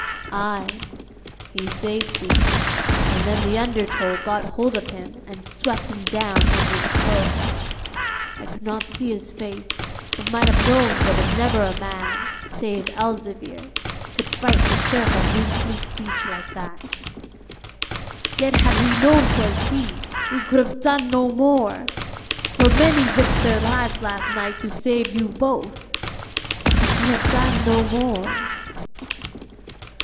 'Ay, he saved thee, and then the under tow got hold of him and swept him down under the curl. I could not see his face, but might have known there never was a man, save Elzevir, could fight the surf on Moonfleet beach like that. Yet had we known 'twas he, we could have done no more, for many risked their lives last night to save you both. We could have done no more.'